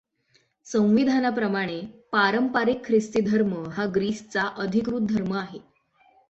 संविधानाप्रमाणे पारंपारिक ख्रिस्ती धर्म हा ग्रीसचा अधिकृत धर्म आहे.